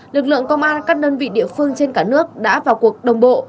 lực lượng công an các đơn vị địa phương trên cả nước đã vào cuộc đồng bộ